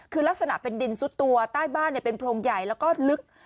คือลักษณะเป็นดินซุดตัวใต้บ้านเป็นโพรงใหญ่แล้วก็ลึก